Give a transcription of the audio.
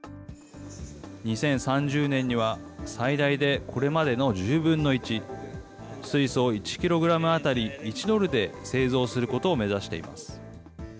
２０３０年には最大でこれまでの１０分の１、水素を１キログラム当たり１ドルで製造することを目指しています。